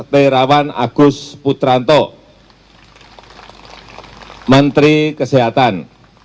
terawan agus putranto menteri kesehatan